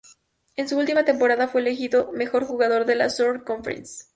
En su última temporada fue elegido mejor jugador de la Southern Conference.